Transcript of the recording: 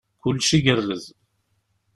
Kullec igerrez.